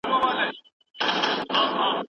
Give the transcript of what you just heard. آيا مږور او ميره دائمي محرمات ګڼل کيږي؟